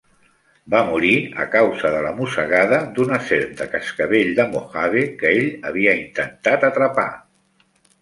Va morir a causa de la mossegada d'una serp de cascavell de Mojave que ell havia intentat atrapar.